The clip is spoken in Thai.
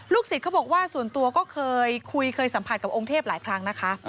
ศิษย์เขาบอกว่าส่วนตัวก็เคยคุยเคยสัมผัสกับองค์เทพหลายครั้งนะคะ